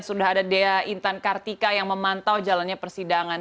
sudah ada dea intan kartika yang memantau jalannya persidangan